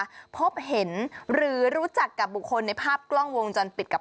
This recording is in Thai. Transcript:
พบเห็นหรือรู้จักกับบุคคลในภาพกล้องวงจรปิดกับ